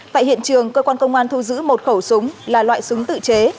tại hiện trường cơ quan công an thu giữ một khẩu súng là loại súng tự chế